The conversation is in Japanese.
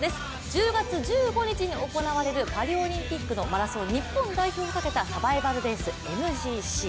１０月１５日に行われるパリオリンピックのマラソン日本代表の座をかけたサバイバルレース、ＭＧＣ。